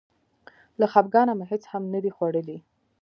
له خپګانه مې هېڅ هم نه دي خوړلي.